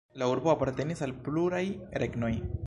La urbo apartenis al pluraj regnoj.